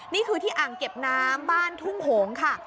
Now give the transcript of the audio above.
นี่คือที่อ่างเก็บน้ำบ้านทุ่งหงค่ะ